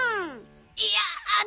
いやあの。